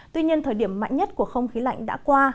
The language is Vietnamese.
tuy nhiên thời điểm mạnh nhất của không khí lạnh đã qua